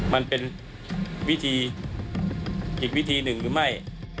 มันเป็นวิธีอีกวิธีหนึ่งหรือไม่